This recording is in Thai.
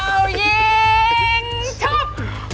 เป่ายิงชุบ